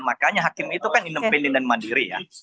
makanya hakim itu kan independen dan mandiri ya